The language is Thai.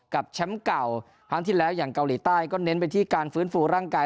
แชมป์เก่าครั้งที่แล้วอย่างเกาหลีใต้ก็เน้นไปที่การฟื้นฟูร่างกาย